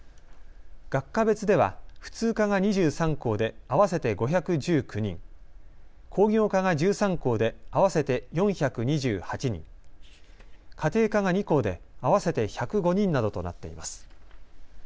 学科別では普通科が２３校で合わせて５１９人、工業科が１３校で合わせて４２８人、家庭科が２校で合わせて１０５人などとなっています。